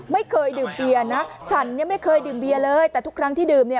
ไม่เคยดื่มเบียร์นะฉันเนี่ยไม่เคยดื่มเบียร์เลยแต่ทุกครั้งที่ดื่มเนี่ย